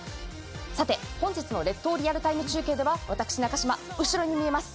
本日の列島リアルタイム中継では私、中島、後ろにあります